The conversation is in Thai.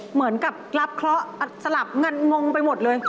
เหมือนกับรับเคราะห์สลับเงินงงไปหมดเลย